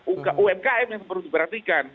umkm yang perlu diperhatikan